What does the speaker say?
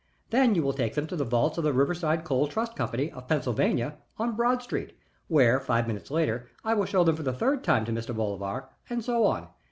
Then you will take them to the vaults of the Riverside Coal Trust Company, of Pennsylvania, on Broad Street, where five minutes later I will show them for the third time to Mr. Bolivar and so on.